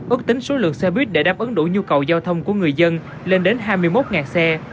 ước tính số lượng xe buýt để đáp ứng đủ nhu cầu giao thông của người dân lên đến hai mươi một xe